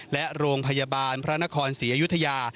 และโรงพยาบาลพระนครศรีอยุธยา